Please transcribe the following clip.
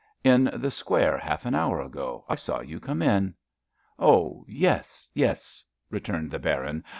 "In the square, half an hour ago. I saw you come in." "Oh, yes, yes," returned the Baron.